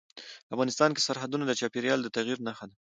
افغانستان کې سرحدونه د چاپېریال د تغیر نښه ده.